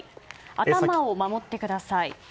頭を守ってください。